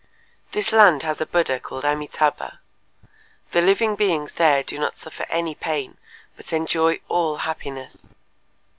This land has a Buddha called Amitâbha. The living beings there do not suffer any pain, but enjoy all happiness.